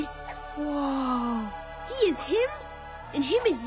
うわ！